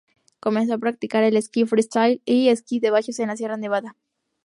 Comenzó a practicar el esquí freestyle y esquí de baches en Sierra Nevada.